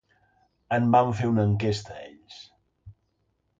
En van fer una enquesta, ells.